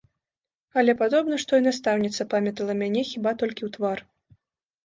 Але, падобна, што і настаўніца памятала мяне хіба толькі ў твар.